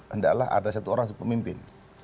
hendaklah ada satu orang pemimpin